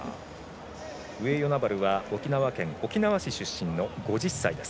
上与那原は沖縄県沖縄市出身の５０歳です。